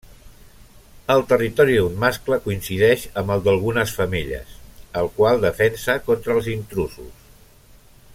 El territori d'un mascle coincideix amb el d'algunes femelles, el qual defensa contra els intrusos.